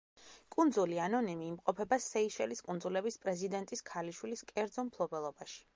კუნძული ანონიმი იმყოფება სეიშელის კუნძულების პრეზიდენტის ქალიშვილის კერძო მფლობელობაში.